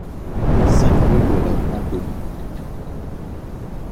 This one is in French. cinq rue de la Franconie